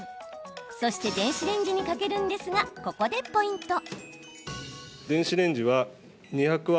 そして電子レンジにかけるんですが、ここでポイント。